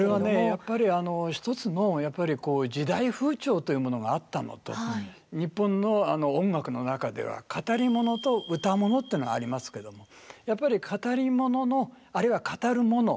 やっぱり一つのやっぱり時代風潮というものがあったのと日本の音楽の中では語り物と唄物っていうのがありますけどもやっぱり語り物のあるいは語る物。